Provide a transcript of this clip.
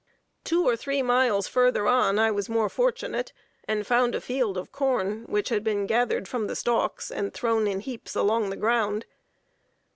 Two or three miles further on I was more fortunate, and found a field of corn which had been gathered from the stalks and thrown in heaps along the ground.